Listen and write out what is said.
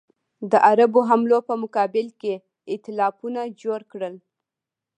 د عربو حملو په مقابل کې ایتلافونه جوړ کړل.